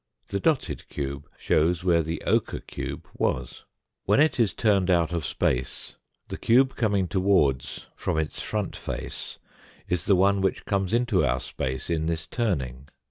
The dotted cube shows where the ochre cube was. When it is turned out of space, the cube coming towards from its front face is the one which comes into our space in this turning.